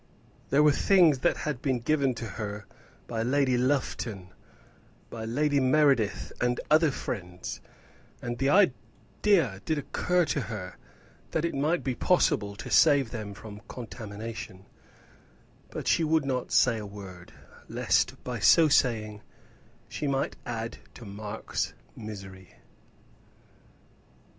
There were things there that had been given to her by Lady Lufton, by Lady Meredith, and other friends, and the idea did occur to her that it might be possible to save them from contamination; but she would not say a word, lest by so saying she might add to Mark's misery.